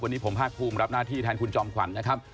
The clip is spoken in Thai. วันนี้ผมภาคภูมิรับหน้าที่แทนคุณจอมขวัญนะครับ